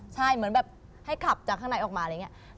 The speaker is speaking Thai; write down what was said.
ใช่เหมือนแบบให้ขับจากข้างในออกมาอะไรอย่างนี้